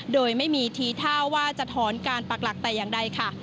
โดยไม่มีทีท่าว่าจะถอนการปักหลักแต่อย่างใดค่ะ